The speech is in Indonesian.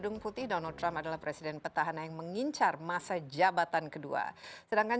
nemah nemahan presiden genommen dalam pemilihan